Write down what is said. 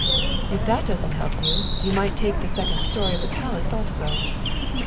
" If that doesn't help, you might take the second stor>r of the Palace also.